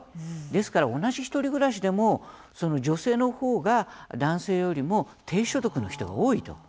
ですから、同じ１人暮らしでも女性のほうが男性よりも低所得の人が多いという結果ですね。